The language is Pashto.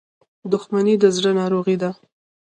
• دښمني د زړه ناروغي ده.